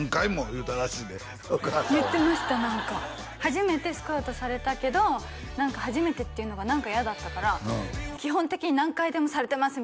言うたらしいでお母さんは言ってました何か初めてスカウトされたけど何か初めてっていうのが何か嫌だったから「基本的に何回でもされてます」